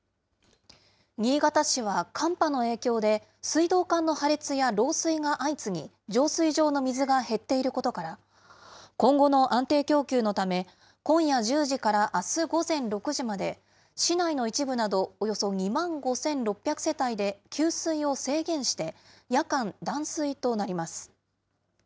新潟市は寒波の影響で、水道管の破裂や漏水が相次ぎ、浄水場の水が減っていることから、今後の安定供給のため、今夜１０時からあす午前６時まで、市内の一部などおよそ２万５６００世帯で給水を制限して、夜間、断水となります。